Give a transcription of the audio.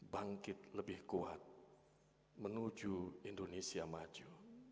bangkit lebih kuat menuju indonesia maju